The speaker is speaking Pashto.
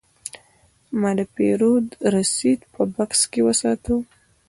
ما د پیرود رسید په بکس کې وساته.